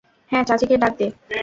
হ্যাঁ, চাচিকে ডাক দে।